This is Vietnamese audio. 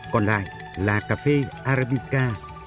còn lại là cà phê arabica